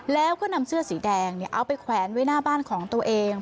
แล้วก็นำเสื้อสีแดงเอาไปแขวนไว้หน้าบ้านของตัวเอง